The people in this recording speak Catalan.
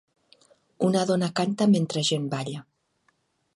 Una dona canta mentre gent balla.